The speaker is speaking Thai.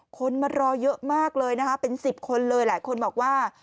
คนมารอเยอะมากเลยนะคะเป็น๑๐คนเลยหลายคนบอกว่า